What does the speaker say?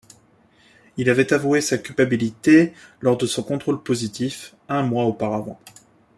Il avait avoué sa culpabilité lors de son contrôle positif, un mois auparavant.